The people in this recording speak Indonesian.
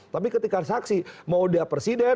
tapi ketika saksi mau dia presiden